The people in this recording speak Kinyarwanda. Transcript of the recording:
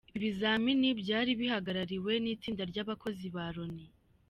Ibi bizamini byari bihagarariwe n’itsinda ry’abakozi ba Loni.